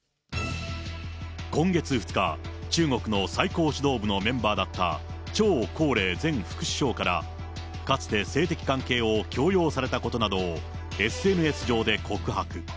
今月２日、中国の最高指導部のメンバーだった、張高麗前副首相から、かつて性的関係を強要されたことなどをＳＮＳ上で告白。